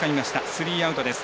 スリーアウトです。